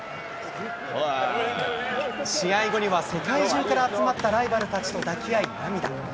試合後には世界中から集まったライバルたちと抱き合い涙。